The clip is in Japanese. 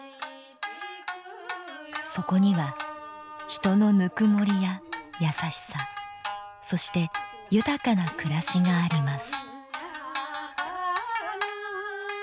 そこには人のぬくもりや優しさ、そして、豊かな暮らしがあります。